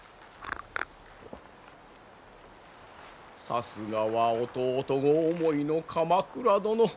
さすがは弟御思いの鎌倉殿。